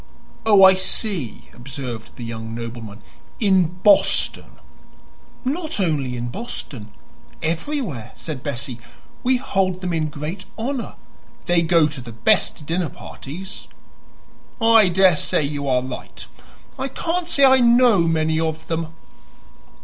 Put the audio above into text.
"Oh, I see," observed the young nobleman. "In Boston." "Not only in Boston; everywhere," said Bessie. "We hold them in great honor; they go to the best dinner parties." "I daresay you are right. I can't say I know many of them."